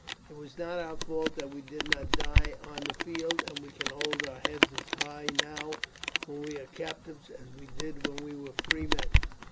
It was not our fault that we did not die on the field, and we can hold our heads as high now when we are captives as we did when we were free men.